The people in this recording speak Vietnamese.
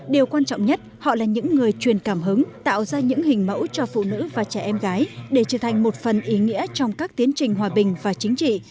điều quan trọng nhất họ là những người truyền cảm hứng tạo ra những hình mẫu cho phụ nữ và trẻ em gái để trở thành một phần ý nghĩa trong các tiến trình hòa bình và chính trị